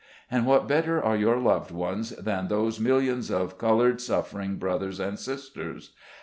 And what better are your loved ones than those mil lions of colored suffering brothers and sisters